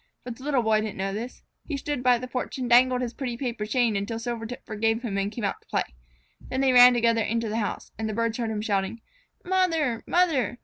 But the Little Boy didn't know this. He stood by the porch and dangled his pretty paper chain until Silvertip forgave him and came out to play. Then they ran together into the house, and the birds heard him shouting, "Mother! Mother!